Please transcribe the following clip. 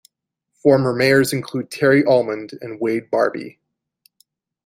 Former mayors include Terry Almond and Wade Barbee.